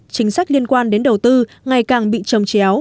chính sách liên quan đến đầu tư ngày càng bị trồng chéo